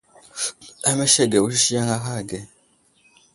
Amesege awusisi yaŋ ahe ge.